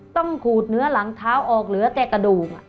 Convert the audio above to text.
ขูดเนื้อหลังเท้าออกเหลือแต่กระดูก